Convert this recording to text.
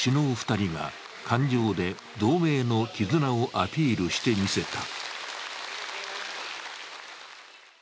２人が艦上で同盟の絆をアピールしてみせた。